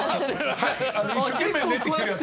一生懸命練ってきたやつ。